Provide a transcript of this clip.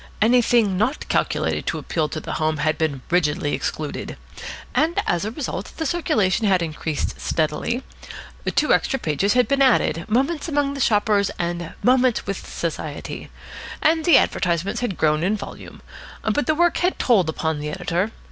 Anything not calculated to appeal to the home had been rigidly excluded. And as a result the circulation had increased steadily. Two extra pages had been added, "Moments Among the Shoppers" and "Moments with Society." And the advertisements had grown in volume. But the work had told upon the Editor.